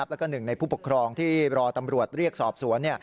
แล้วก็หนึ่งในผู้ปกครองที่รอตำรวจเรียกสอบสวน